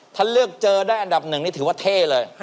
ถ้าเลือกเจอได้อันดับหนึ่งนี่ถือว่าเท่เลย